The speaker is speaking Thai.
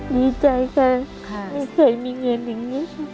ดีใจมาใกล้นึง